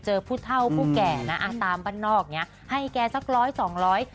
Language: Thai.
เจอผู้เท่าผู้แก่นะตามบ้านนอกให้แกสักร้อยสองร้อย